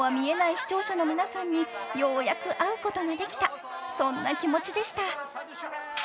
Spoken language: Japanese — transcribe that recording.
視聴者の皆さんにようやく会うことができたそんな気持ちでした］